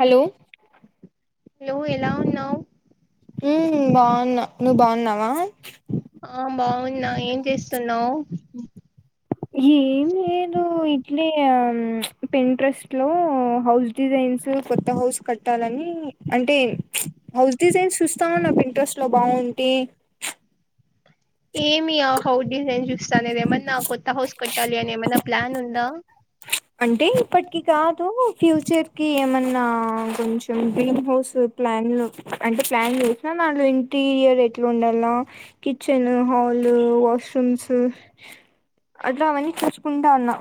Hello లో ఎలా ఉన్నావ్ హ్మ్ బాగున్నా నువ్వు బాగున్నావా ఆ బాగున్నా ఏం చేస్తున్నావ్ ఏమి లేదు ఇట్లే పెంట్రస్ట్ లో హౌస్ డిజైన్స్, కొత్త హౌస్ కట్టాలని, అంటే హౌస్ డిజైన్స్ చూస్తా ఉన్నా పెంట్రస్ట్ లో బాగుంటే. హౌట్ డిజైన్ చూస్తానేది ఏమన్నా కొత్త హౌస్ కట్టాలి అని ఏమన్నా ప్లాన్ ఉందా. అంటే ఇప్పటికి కాదు ఫ్యూచర్ కి, ఏమన్నా కొంచెం డ్రీమ్ హౌస్ ప్లాన్లు అంటే, ప్లాన్ చేసినా దాంట్లో ఇంటీరియర్ ఎట్లా ఉండాలి, కిచెన్, హల్ వాష్రూమ్స్, అట్లా అవన్నీ చూసుకుంటా ఉన్నా.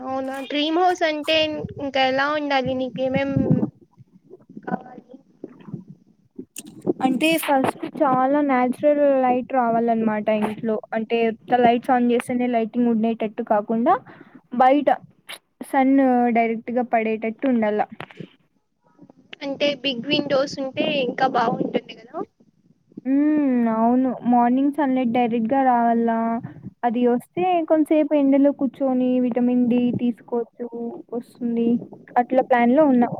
అవునా డ్రీమ్ హౌస్ అంటే ఇంకా ఎలా ఉండాలి నీకేమేం కావాలి అంటే ఫస్ట్ చాలా న్యాచురల్ లైట్ రావాలన్నమాట ఇంట్లో, అంటే ఉత్త లైట్స్ ఆన్ చేస్తేనే లైటింగ్ ఉండేటట్టు కాకుండా, బయట సన్ డైరెక్ట్ గా పడేటట్టు ఉండాల. అంటే బిగ్ విండోస్ ఉంటే ఇంకా బాగుంటుంది కదా. ఉమ్ అవును మార్నింగ్ సన్లైట్ డైరెక్ట్ గా రావాల్ల, అది వస్తే కొంచసేపు ఎండలో కూర్చొని, విటమిన్ డి తీసుకోవచ్చు, వస్తుంది అట్లా ప్లాన్ లో ఉన్నా.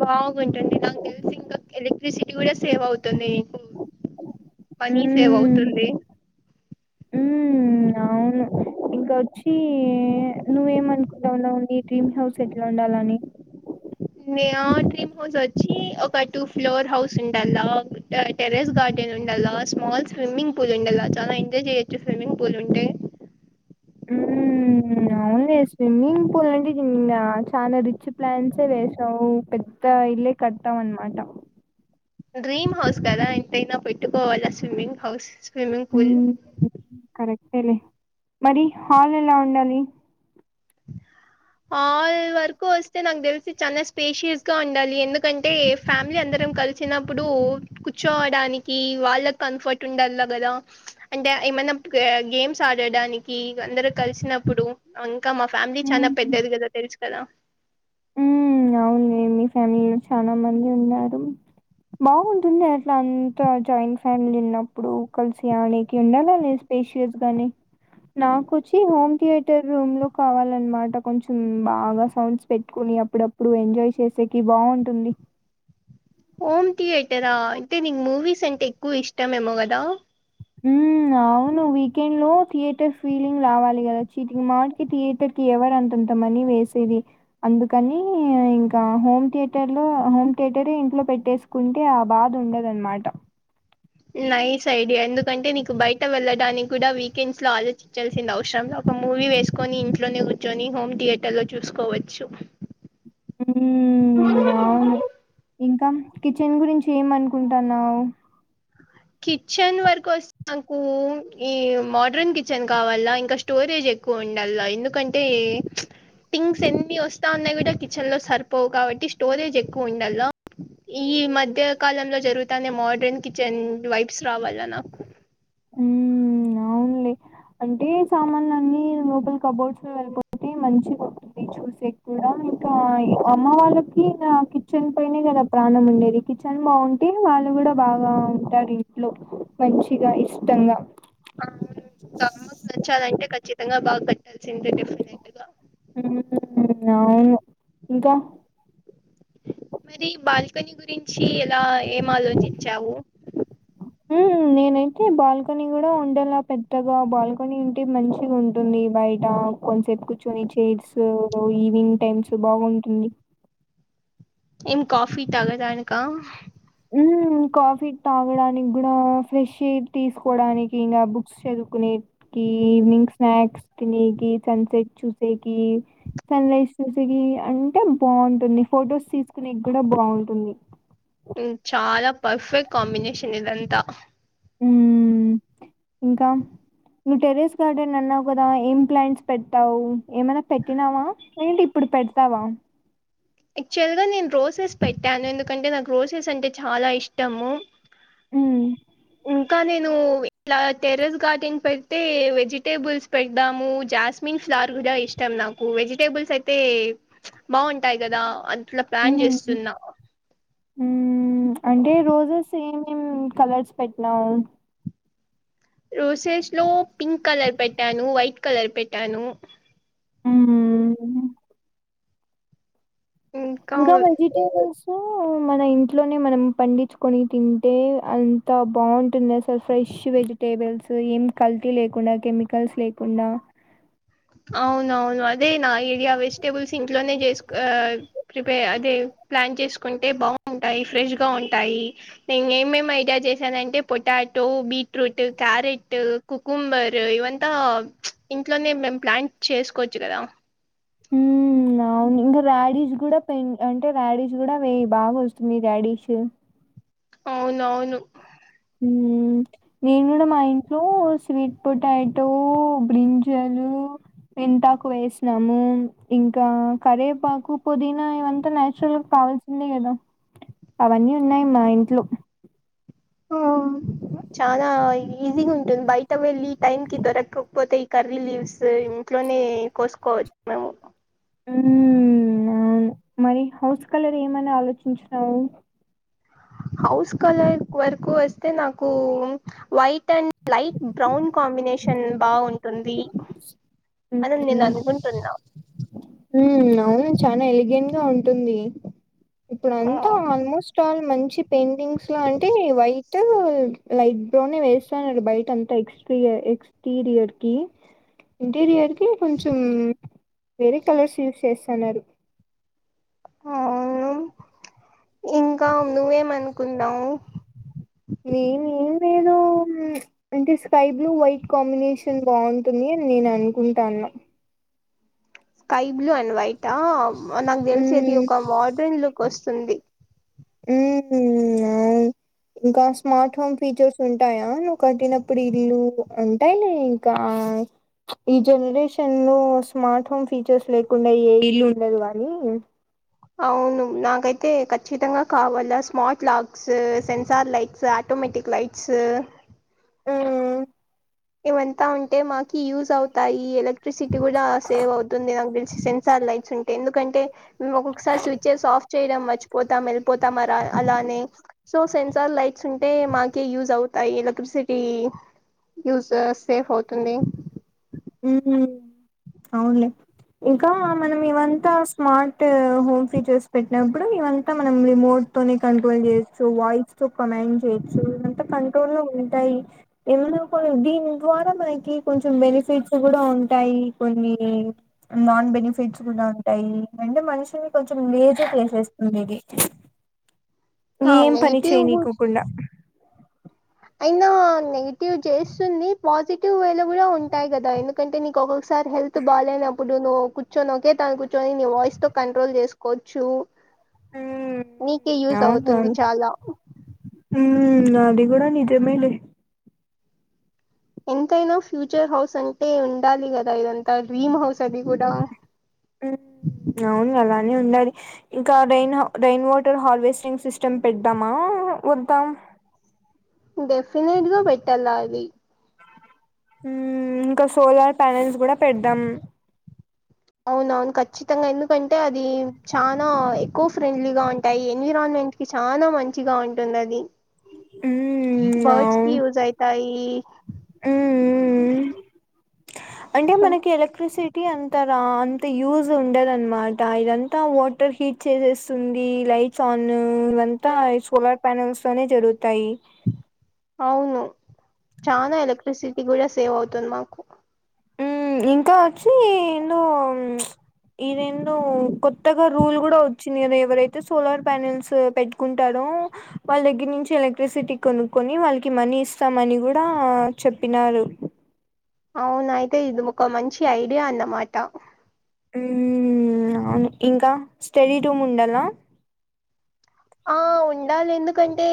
బాగుంటుంది నాకు తెలిసి ఇంకా ఎలక్ట్రసిటీ కూడా సేవ్ అవుతుంది. పనీ సేవ్ అవుతుంది ఉమ్మ్ అవును ఇంక వచ్చి నువ్వేం అనుకుంటావున్నావు నీ డ్రీమ్ హౌస్ ఎట్లా ఉండాలని న్యా డ్రీమ్ హౌస్ వచ్చి ఒక టూ ఫ్లోర్ హౌస్ ఉండాల టెరెస్ గార్డెన్ ఉండాల స్మాల్ స్విమ్మింగ్ పూల్ ఉండాల చాలా ఎంజాయ్ చెయొచ్చు స్విమ్మింగ్ పూల్ ఉంటే ఉమ్ అవునులే స్విమ్మింగ్ పూల్ అంటే [unintelligible] చాలా రిచ్ ప్లాన్సే వేసావు పెద్ద ఇళ్లే కట్తావు అన్నమాట డ్రీమ్ హౌస్ కదా ఎంతైనా పెట్టుకోవాల స్విమ్మింగ్ హౌస్ స్విమ్మింగ్ పూల్ ఉమ్ కరెక్ట్ టెలే మరి హాల్ ఎలా ఉండాలి హాల్ వరకు వస్తే నాకు తెలిసి చాలా స్పేషియస్ గా ఉండాలి ఎందుకంటే ఫ్యామిలీ అందరం కలిసినప్పుడు కూర్చోవడానికి వాళ్ళకి కంఫర్ట్ ఉండాలా కదా అంటే ఏమైనా గేమ్స్ ఆడడానికి అందరు కలిసినప్పుడు ఇంక మా ఫ్యామిలీ చాలా [unintelligible] తెరిచ్ కదా హమ్ అవునే మీ ఫ్యామిలీలో చాలా మంది ఉన్నారు. బాగుంటుంది అట్లా అంత జాయింట్ ఫ్యామిలీ ఉన్నప్పుడు కలిసి [unintelligible] ఉండాల స్పేషియస్ గాని నాకు వచ్చి హోమ్ థియేటర్ రూమ్ లో కావాలన్నమాట కొంచెం బాగా సౌండ్స్ పెట్టుకుని అప్పుడప్పుడు ఎంజాయ్ చేసేకి బాగుంటుంది హోమ్ థియేటరా అయితే నీకు మూవీస్ అంటే ఎక్కువ ఇష్టమేమో కదా ఉ అవును వీకెండ్ లో థియేటర్ ఫీలింగ్ రావాలి కదా చీటికి మాటికి థియేటర్ కి ఎవరు అంతంత మనీ వేసేది అందుకని ఇంకా హోమ్ థియేటర్ లో హోమ్ థియేటరే ఇంట్లో పెట్టేసుకుంటే ఆ బాధ ఉండదు అన్నమాట నైస్ ఐడియా ఎందుకంటే నీకు బయట వెళ్ళడానికి కూడా వీకెండ్స్ లో ఆలోచించాల్సింది అవసరంలే ఒక మూవీ వేసుకొని ఇంట్లోనే కూర్చొని హోమ్ థియేటర్ లో చూసుకోవచ్చు హమ్ అవును ఇంకా కిచెన్ గురించి ఏం అనుకుంటన్నావు కిచెన్ వరకు వస్త నాకు ఈ మోడ్రన్ కిచెన్ కావాల్ల ఇంకా స్టోరేజ్ ఎక్కువ ఉండాళ్లా ఎందుకంటే థింగ్స్ ఎన్ని వస్తా ఉన్నాయి కూడా కిచెన్ లో సరిపోవు కాబట్టి స్టోరేజ్ ఎక్కువ ఉండాళ్లా ఈ మధ్య కాలంలో జరుగుతానే మోడ్రన్ కిచెన్ వైబ్స్ రావాలనా హమ్ అవునులే అంటే సామాన్లు అన్ని లోపలి కబోర్డ్స్ లో వెళ్ళిపోతే మంచిగా ఉంటుంది చూసే కూడా ఇంకా అమ్మ వాళ్ళకి ఇగ కిచెన్ పైనే కదా ప్రాణం ఉండేది కిచెన్ బాగుంటే వాళ్ళు కూడా బాగా ఉంటారు ఇంట్లో మంచిగా ఇష్ టంగ అవును గమ్ నచ్చాదంటే ఖచ్చి తంగా బాగుతయి హమ్ అవును ఇంకా మరి బాల్కనీ గురించి ఎలా ఏం ఆలోచించావు హమ్ నేనైతే బాల్కనీ కూడా ఉండేలా పెద్దగా బాల్కనీ ఉంటే మంచిగా ఉంటుంది బయట కొంతసేపు కూర్చొని చైర్స్ ఈవినింగ్ టైమ్స్ బాగుంటుంది ఏం కాఫీ తాగడానిక హమ్ కాఫీ తాగడానికి కూడా ఫ్రెష్ర్ ఎయిర్ తీసుకోవడానికి ఇంకా బుక్స్ చదువుకునేకి ఈవినింగ్ స్నాక్స్ తినేకి సన్సెట్ చూసేకి సన్ రైజ్ చూసేకి అంటే బాగుంటుంది ఫొటోస్ తీసుకునేకి కూడా బాగుంటుంది ఉమ్, చాలా పర్ఫెక్ట్ కాంబినేషన్ ఇదంతా హమ్ ఇంకా నువ్వు టెరెస్ గార్డెన్ అన్నావు కదా ఏం ప్లాంట్స్ పెట్టావు ఏమైనా పెట్టినావా ఏంటి ఇప్పుడు పెడతావా యాక్చువల్ గా నేను రోసెస్ పెట్టాను ఎందుకంటే నాకు రోసెస్ అంటే చాలా ఇష్టము హ్మ్. ఇంకానే నువ్వు ఇలా టెరెస్ గార్డెన్ పెడితే వెజిటేబుల్స్ పెడదాము జాస్మిన్ ఫ్లవర్ కూడా ఇష్టం నాకు వెజిటేబుల్స్ అయితే బాగుం టాయి కదా అంత్ ఉమ్ ఉమ్మ్ అంటే రోజెజ్ సేమ్ కలర్స్ పెట్టినాము రోసెస్ లో పింక్ కలర్ పెట్టాను వైట్ కలర్ పెట్టాను ఉమ్ ఇంకా వెజిటేబుల్స్ సో మన ఇంట్లోనే మనం పండించుకొని తింటే అంత బాగుంటుంది అసలు ఫ్రెష్ వెజిటేబుల్స్ ఏం కల్తీ లేకుండా కెమికల్స్ లేకుండా అవునవును అదే నా ఐడియా వెజిటేబుల్స్ ఇంట్లోనే చేసు ప్రిపేర్ అదే ప్లాన్ చేసుకుంటే బాగుంటాయి ఫ్రెష్గా ఉంటాయి. నేను ఏమేమి ఐడియా చేశానంటే పొటాటో, బీట్రూట్, క్యారెట్, కుకుంబర్ ఇవంతా ఇంట్లోనే మేం ప్లాన్ చేసుకోవచ్చు కదా హుమ్ అవును ఇంకా ర్యాడిష్ కూడా పెన్ అంటే ర్యాడిష్ కూడా వేయి బాగా వస్తుంది ర్యాడీష్ అవునవును నేను కూడా మా ఇంట్లో స్వీట్ పొటాటో, బ్రింజాలు, మెంతాకు వేసినాము. ఇంకా కరేపాకు, పుదీనా ఇవంతా నాన్యాచురల్గా కావాల్సిందే కదా. అవన్నీ ఉన్నాయి మా ఇంట్లో ఆ చాలా ఈజీగా ఉంటుంది బయట వెళ్ళి టైమ్ కి దొరకకపోతే ఈ కర్రీ లీవ్స్ ఇంట్లోనే కోసుకోవచ్చు మేము ఉమ్ అవును మరి హౌస్ కలర్ ఏమని ఆలోచించినావు క్వరకు వస్తే నాకు white and light brown combination బాగుంటుంది అని నేను అనుకుంటున్నా ఉమ్ అవున్ చానా ఎలిగెంట్ గా ఉంటుంది ఇప్పుడంతా ఆల్మోస్ట్ ఆల్ మంచి పెయింటింగ్స్ లో అంటే వై ట్ లైట్ బ్రౌన్ ఏ వేస్తానారు బైట అంత ఎక్స్టీ ఎక్స్టీీరియర్ కీ ఇంటీరియర్ కి కొంచం వేరే కలర్స్ యూస్ చేస్తన్నారు అవును ఇంకా నువ్వేమనుకున్నావు నేనో అంటే స్కై బ్లూ వైట్ కాంబినేషన్ బాగుంటుంది అని నేను అనుకుంటాన్న స్కై బ్లూ అండ్ వైటా నాకు తెలిసి అది ఒక హ్మ్ మోడ్రన్ లుక్ వస్తుంది ఉమ్ ఇంకా స్మార్ట్ ఫోన్ ఫీచర్స్ ఉంటాయా నువ్వు కట్టినప్పుడు ఇల్లు ఉంటాయిలే ఇంకా ఈ జనరేషన్ లో స్మార్ట్ ఫోన్ ఫీచర్స్ లేకుండా ఏ ఇల్లు ఉండదు గానీ అవును నాకైతే ఖచ్చితంగా కావాల smart locks sensor lights automatic lights హ్మ్ ఇవంతా ఉంటే మాకి యూజ్ అవుతాయి. ఎలక్ట్రిసిటీ కూడా సేవ్ అవుతుంది నాకు తెలిసి సెన్సార్ లైట్స్ ఉంటే. ఎందుకంటే మేము ఒక్కొక్కసారి స్విచెస్ ఆఫ్ చేయడం మర్చిపోతాం వెళ్ళిపోతాం అ అలానే సో సెన్సార్ లైట్స్ ఉంటే మాకీ యూజ్ అవుతాయి ఎలక్ట్రిసిటీ. యూజ్ సేఫ్ అవుతుంది హ్మ్ అవునులే ఇంకా మనం ఇవంతా స్మార్ట్ హోమ్ ఫీచర్స్ పెట్టినప్పుడు ఇవంతా మనం రిమోట్ తోనీ కంట్రోల్ చేయొచ్చు వాయిస్ తో కమాండ్ చేయొచ్చు ఇంతా కంట్రోల్ ఉంటాయి. ఏమనా కూడా దీని ద్వారా మనకి కొంచెం బెనిఫిట్స్ కూడా ఉంటాయి కొన్ని నాన్ బెనిఫిట్స్ కూడా ఉంటాయి అంటే మనిషిని కొంచెం లేజీ చేసేస్తుంది ఇది ఆ ఏం పని నెగిటివ్ చేయనీకోకుండా అయినా నెగిటివ్ చేస్తుంది పాజిటివ్ వేలో కూడా ఉంటాయి కదా ఎందుకంటే నీకు ఒకొ సారి హెల్త్ బాగాలేనప్పుడు ను కూర్చొని ఓకే తాన కూర్చొని నీ వాయిస్ తో కంట్రోల్ చేసుకోవచ్చు నీకే యూజ్ అవుతుంది చాలా హుమ్ అది కూడా నిజమే లే ఎంతైనా ఫ్యూచర్ హౌస్ అంటే ఉండాలి గదా ఇదం త డ్రీమ్ హౌస్ అది కూడా ఉమ్ అవును అలానే ఉండాలి. ఇంకా rain how rain water harvesting system పెడ్దామా వద్దా డెఫినెట్గా పెట్టాల్లాది ఉమ్ ఇంకా సోలార్ ప్యానెల్స్ కూడా పెడదాం అవునవును ఖచ్చితంగా ఎందుకంటే అది చాలా ఎకో ఫ్రెండ్లీగా ఉంటాయి ఎన్విరాన్మెంట్ కి చనాా మంచిగా ఉంటుంది అది మ్మ్ అవు బర్డ్స్కి యజ అఐతా ఈ మ్మ్ అంటే మనకి ఎలక్ట్రిసిటీ అంత రా అంత యూజ్ ఉండద అనమాట ఇదంతా వాటర్ హీట్ చేసేస్తుంది లైట్స్ ఆన్ ఇదంతా సోలార్ ప్యానల్స్ లోనే జరుగుతాయి అవును చా ఎలక్ట్రసిటీ కూడా సేవ్ అవుతుంది మాకు ఇంకా వచ్చి ఏందుో ఇదిేందుో కొ ఎక రుల్ కూడా వచ్చింది కద ఎవరైతే సోలార్ ప్యానెల్స్ పెట్టుకుంటారో వాళ్ళ దగ్గర నుంచి ఎలక్ట్రిసిటీ కొనుకుొని వాళ్ళకి మనీ ఇస్తామ అని కూడా చెప్పినారు అవున అయితే ఇది ఒక మంచి ఐడియా అన్నమాట అవును ఇంకా స్టడీ రూమ్ ఉండాలా ఆ ఉండాలి ఎందుకంటే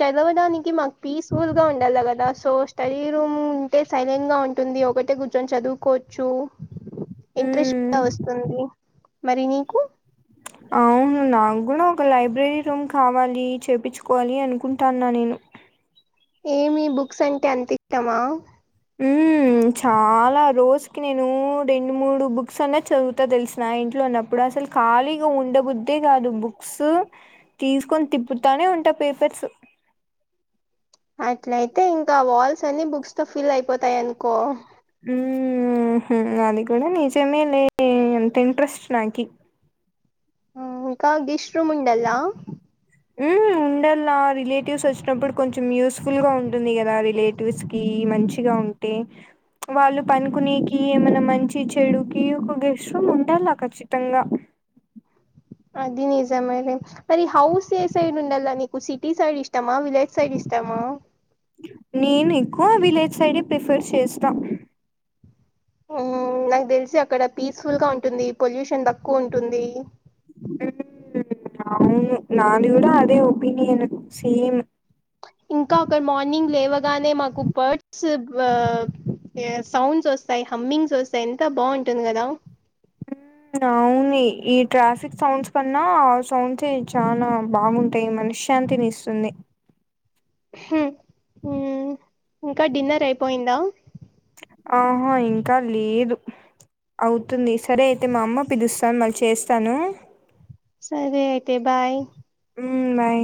చదవడానికి మాకు పీస్ఫుల్ గా ఉండాలి కదా సో శరీరం ఉంటే సైలెంట్ గా ఉంటుంది ఒకటే కొంచెం చదువుకోవచ్చు ఇంట్రెస్ట్ ఉమ్ కూడా వస్తుంది మరి నీకు అవును నాకు కూడా ఒక లైబ్రరీ రూమ్ కావాలి చేపించుకోవాలి అనుకుంటాన్నా నేను ఏమి బుక్స్ అంటే అంతే తమ ఉ చాలా రోజుకి నేను రెండు మూడు బుక్స్ అన్న చదువుతా తెలిసిన ఇంట్లో ఉన్నప్పుడు అసలు ఖాళీగా ఉండబద్దే కాదు బుక్స్ తీసుకొని తిప్పుతానే ఉంటా పేపర్స్ అట్లయితే ఇంకా వాల్స్ అన్ని బుక్స్ తో ఫిల్ అయిపోతాయి అనుకో ఉ అది కూడాడ నిజ మే ఎంత ఇంట్రెస్ట్ నాక ఇంకా గ ఇ శ్రుముండలా ఉ ఉండాలలా రిలేటివ్స్ వచ్చినప్పుడు కొంచెం యూస్ఫుల్ గా ఉంటుంది కదా రిలేటివ్స్ కి మంచిగా ఉంటే వాళ్ళు పనుకునేకి ఏమైనా మంచి చెడుకి ఒక గెస్ట్ రూమ్ ఉండాల ఖచ్చితంగా దనిజా మరి మరి హౌస్ ఏ సైడ్ ఉండాల నకు టి సైడ్ ఇష్టమా విలేజ్ సైడ్ ఇష్టమా నేను ఎక్కువ విలేజ్ సైడే ప్రిఫర్ చేస్తాం నాకు తెలిసి అక్కడ పీస్ఫుల్ గా ఉంటుంది పొల్యూషన్క్ ఎక్కువ ఉంటుంది వు నాది కూడా అదే ఒపీనియన్ సేమ్ అగ మార్నింగ్ లేవల్ గానే మాకు బర్డ్స్ ఆ సౌండ్స్ వస్తాయి హమ్మింగ్స్ వస్తాయి ఎంత బాగుంటుంది కదా అవును ఈ ట్రాఫిక్ సౌండ్స్ కన్నా ఆ సౌండ్స్ చాలా బాగుంటాయి మనశ్శాంతిని ఇస్తుంది ఇంకా డిన్నర్ అయిపోయిందా ఆహా ఇంకా లేదు అవుతుంది సరే అయితే మా అమ్మ పిలుస్తాను మళ్ళీ చేస్తాను సరే అయితే బాయ్ ఉ బాయ్